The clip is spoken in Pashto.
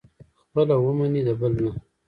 خپله ومني، د بل نه.